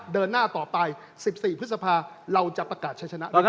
เดินหน้าต่อไป๑๔พฤษภาเราจะประกาศใช้ชนะได้